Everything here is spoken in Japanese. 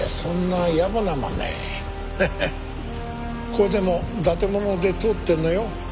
これでも伊達者で通ってるのよ。